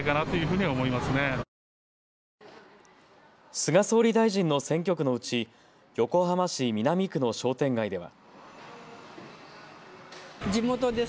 菅総理大臣の選挙区のうち横浜市南区の商店街では。